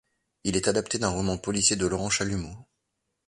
Il est adapté d'un roman policier de Laurent Chalumeau.